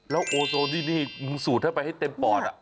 แล้วโอโซนี่สูดเข้าไปให้เต็มปอด